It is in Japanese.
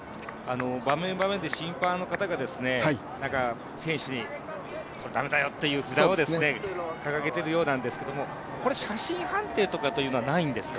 場面、場面で審判の方が選手に駄目だよっていう札を掲げているようなんですけど、写真判定とかというのはないですか？